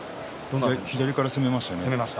左から攻めましたね